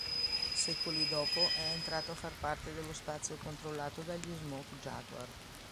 Secoli dopo, è entrato a far parte dello spazio controllato dagli Smoke Jaguar.